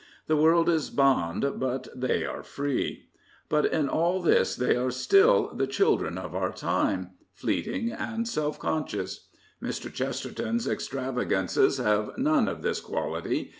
The world is bond, but they are free. But in all this they are still the children of our time, fleeting and self conscious. Mr. Chesterton's extravagances have none of this quality.